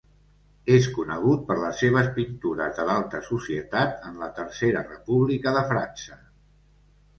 És conegut per les seves pintures de l'alta societat en la Tercera República de França.